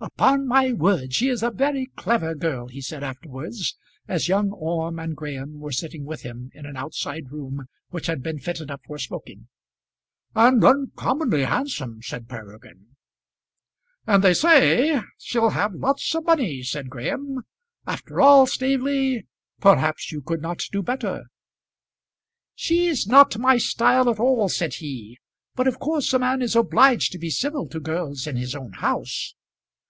"Upon my word she is a very clever girl," he said afterwards, as young Orme and Graham were sitting with him in an outside room which had been fitted up for smoking. "And uncommonly handsome," said Peregrine. "And they say she'll have lots of money," said Graham. "After all, Staveley, perhaps you could not do better." "She's not my style at all," said he. "But of course a man is obliged to be civil to girls in his own house."